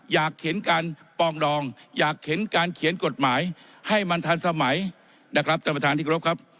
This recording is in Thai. อยากเห็นการปองดองอยากเห็นการเขียนกฎหมายให้มันทันสมัยนะครับท่านประธานที่กรบครับ